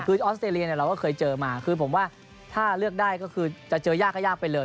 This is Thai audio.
คือออสเตรเลียเนี่ยเราก็เคยเจอมาคือผมว่าถ้าเลือกได้ก็คือจะเจอยากก็ยากไปเลย